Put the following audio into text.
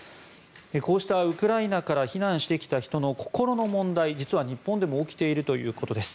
こうしたウクライナから避難してきた人の心の問題、実は日本でも起きているということです。